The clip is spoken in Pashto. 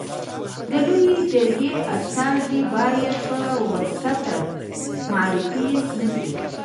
د لويي جرګي استازي باید په واسطه معرفي نه سي.